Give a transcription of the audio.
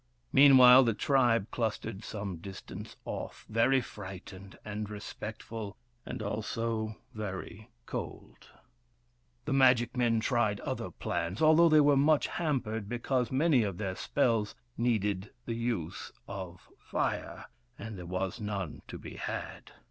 Meanwhile, the tribe clustered some distance off, very frightened and respectful, and also very cold. The magic men tried other plans, although they were much hampered because many of their spells needed the use of Fire, and there was none to be had.